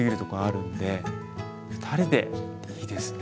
２人でいいですね。